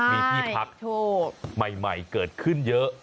มีที่พักใหม่เกิดขึ้นเยอะ